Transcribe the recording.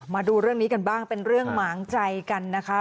มาดูเรื่องนี้กันบ้างเป็นเรื่องหมางใจกันนะคะ